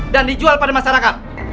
dan dijual pada masyarakat